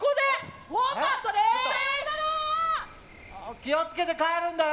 気を付けて帰るんだよ。